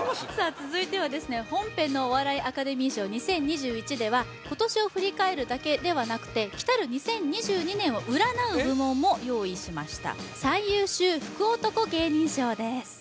続いては本編の「お笑いアカデミー賞２０２１」では今年を振り返るだけではなくて来る２０２２年を占う部門も用意しました最優秀福男芸人賞です